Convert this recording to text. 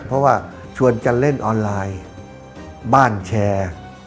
เพราะว่าชวนกันเล่นออนไลน์บ้านแชร์